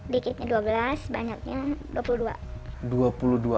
dikitnya dua belas banyaknya dua puluh dua